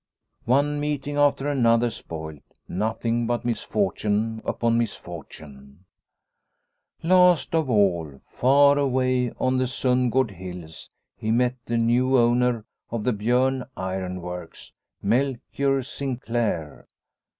One meeting after another spoilt, nothing but misfortune upon misfortune ! Last of all far away on the Sundgard hills he met the new owner of the Biorn ironworks, Ensign Orneclou 189 Melchior Sinclaire.